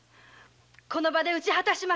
この場で討ち果たします